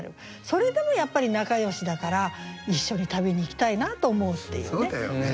それでもやっぱり仲よしだから一緒に旅に行きたいなと思うっていうね。